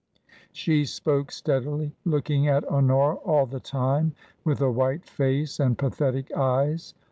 She spoke steadily, looking at Honora all the time with a white face and pathetic eyes.